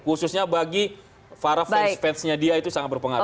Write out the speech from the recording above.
khususnya bagi para fans fansnya dia itu sangat berpengaruh